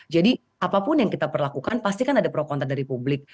jadi apapun yang kita perlakukan pasti kan ada pro konten dari publik